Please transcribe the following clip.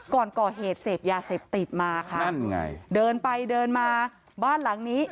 ก่อนก่อเหตุเสพยาเสพติดมาค่ะนั่นไงเดินไปเดินมาบ้านหลังนี้